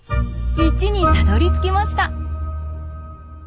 １にたどりつきました。